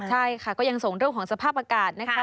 ใช่ค่ะก็ยังส่งเรื่องของสภาพอากาศนะคะ